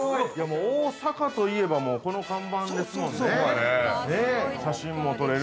もう大阪といえばこの看板ですもんで。